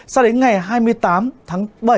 sao đến ngày hai mươi tám tháng bảy